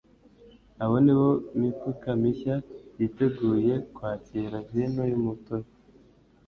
abo ni bo mifuka mishya yiteguye kwakira vino y'umutobe.